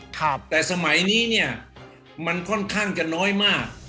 แต่สมัยนี้เนี่ยมันค่อนข้างจะน้อยมาก